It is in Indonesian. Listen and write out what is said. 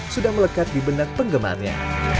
sudah melekat di benak penggemarnya